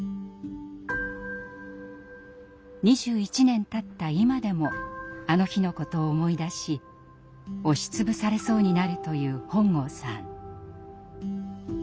２１年たった今でもあの日のことを思い出し押しつぶされそうになるという本郷さん。